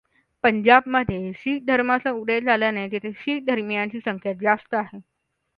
पंजाब मध्ये शीख धर्माचा उदय झाल्याने तेथे शीख धर्मीयांची संख्या जास्त आहे.